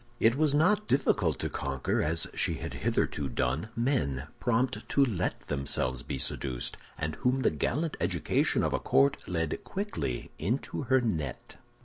It was not difficult to conquer, as she had hitherto done, men prompt to let themselves be seduced, and whom the gallant education of a court led quickly into her net.